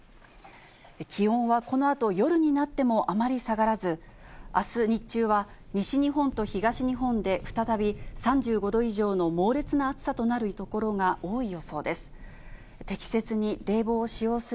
気温はこのあと夜になってもあまり下がらず、あす日中は、西日本と東日本で再び３５度以上の猛烈な暑さとなる所が多い予想です。